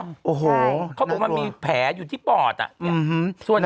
เขาบอกว่ามันมีแผลอยู่ที่ปอดอ่ะส่วนยัง